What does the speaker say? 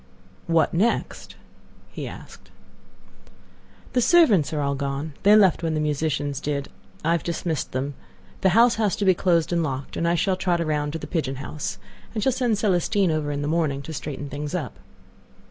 "What next?" he asked. "The servants are all gone. They left when the musicians did. I have dismissed them. The house has to be closed and locked, and I shall trot around to the pigeon house, and shall send Celestine over in the morning to straighten things up."